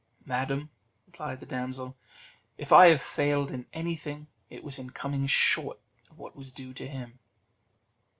"Madam," replied the damsel, "if I have failed in anything, it was in coming short of what was due to him."